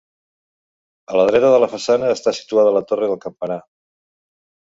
A la dreta de la façana està situada la torre campanar.